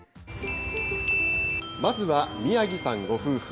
まずは宮城さんご夫婦。